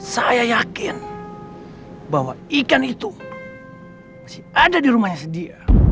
saya yakin bahwa ikan itu masih ada di rumahnya dia